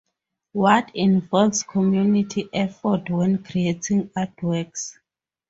Watt involves community effort when creating artworks.